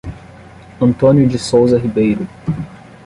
Antônio de Souza Ribeiro